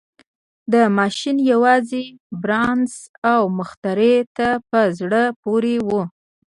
دا ماشين يوازې بارنس او مخترع ته په زړه پورې و.